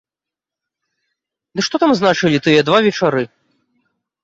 Ды што там значылі тыя два вечары!